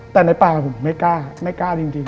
แต่ในปากผมไม่กล้าไม่กล้าจริง